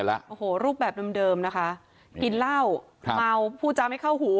ทุนเรียนแล้วโอ้โหรูปแบบเดิมนะคะกินเหล้ามาวผู้จำไม่เข้าหู